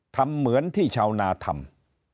ทำเหมือนที่ชาวนาทำ